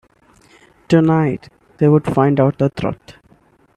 Tonight, they would find out the truth.